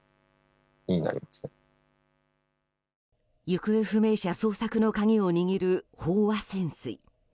行方不明者捜索の鍵を握る飽和潜水。